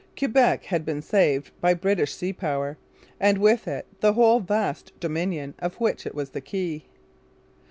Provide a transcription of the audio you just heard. Quebec had been saved by British sea power; and, with it, the whole vast dominion of which it was the key.